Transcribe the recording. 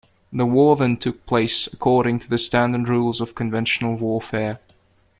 The war then took place according to the standard rules of conventional warfare.